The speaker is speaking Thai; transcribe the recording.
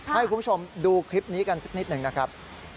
ให้คุณผู้ชมดูคลิปนี้กันสักนิดหนึ่งนะครับ